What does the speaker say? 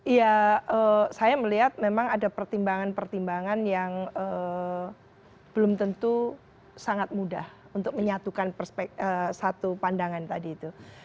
ya saya melihat memang ada pertimbangan pertimbangan yang belum tentu sangat mudah untuk menyatukan satu pandangan tadi itu